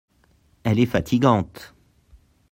Elle est fatigante.